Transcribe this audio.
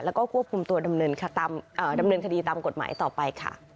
แล้วก็ควบคุมตัวดำเนินคดีตามกฎหมายต่อไปค่ะ